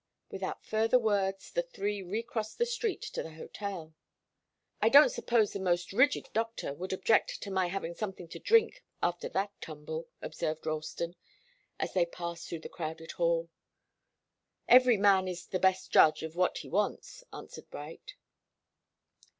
Without further words the three recrossed the street to the hotel. "I don't suppose the most rigid doctor would object to my having something to drink after that tumble," observed Ralston, as they passed through the crowded hall. "Every man is the best judge of what he wants," answered Bright.